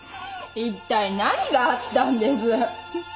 一体何があったんです？